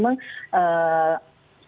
pengobatan itu juga terus berkembang ya